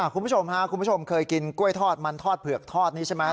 คุณผู้ชมค่ะคุณผู้ชมเคยกินกล้วยทอดมันทอดเผือกทอดนี้ใช่ไหม